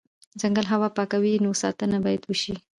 ځنګل هوا پاکوي، نو ساتنه یې بایدوشي